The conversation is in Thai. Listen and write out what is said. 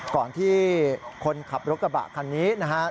ก่อนที่คนขับรถกระบะคันนี้นะครับ